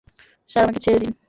Sir, আমাকে ছেড়ে দিন।